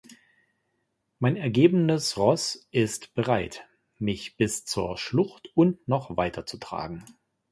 Mein ergebenes Ross ist bereit, mich bis zur Schlucht und noch weiter zu tragen.